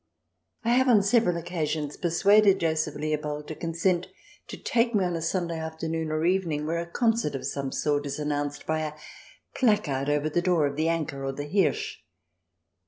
I have on several occasions persuaded Joseph Leopold to consent to take me on a Sunday after noon or evening when a concert of some sort is 8o THE DESIRABLE ALIEN [ch. vi announced by a placard over the door of The Anker or The Hirsch.